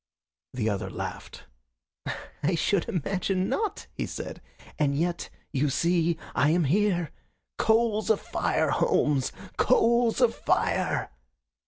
The other laughed. "I should imagine not," he said. "And yet, you see, I am here. Coals of fire, Holmes coals of fire!"